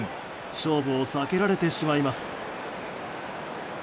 勝負を避けられてしまいます。